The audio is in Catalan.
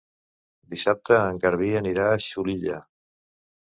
Dissabte en Garbí anirà a Xulilla.